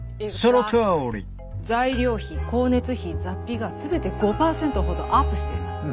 材料費光熱費雑費が全て５％ほどアップしています。